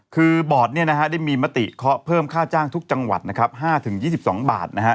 คือบอร์ดได้มีมติเคาะเพิ่มค่าจ้างทุกจังหวัด๕๒๒บาท